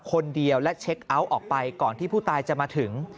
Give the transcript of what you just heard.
คนเดียวและเช็คเอาท์ออกไปก่อนที่ผู้ตายจะมาถึง